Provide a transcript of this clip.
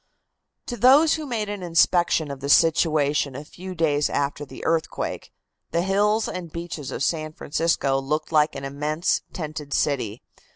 To those who made an inspection of the situation a few days after the earthquake, the hills and beaches of San Francisco looked like an immense tented city.